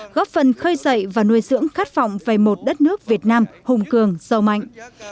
góp phần khơi dậy và nuôi dưỡng khát vọng về một đất nước việt nam hùng cường sâu mạnh